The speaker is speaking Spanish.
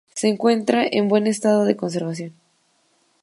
Se encuentra en buen estado de conservación.